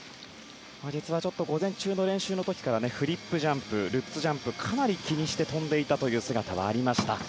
実は、ちょっと午前中の練習の時からフリップジャンプルッツジャンプかなり気にして跳んでいた姿がありました。